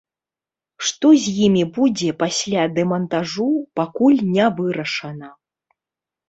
Што з імі будзе пасля дэмантажу, пакуль не вырашана.